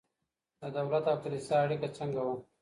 د دولت او کلیسا اړیکه څنګه وه؟